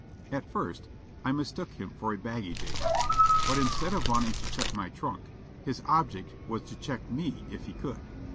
At first I mistook him for a baggage agent ; but instead of want ing to check my trunk, his object was to check me if he could.